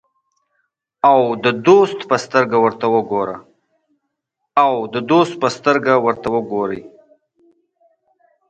او د دوست په سترګه ورته ګوري.